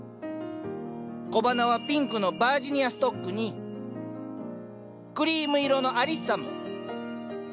小花はピンクのバージニアストックにクリーム色のアリッサム。